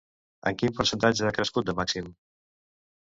En quin percentatge ha crescut de màxim?